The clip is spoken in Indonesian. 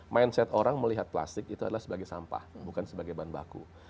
mindset orang melihat plastik itu adalah sebagai sampah bukan sebagai bahan baku